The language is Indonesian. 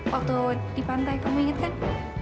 waktu di pantai kamu inget kan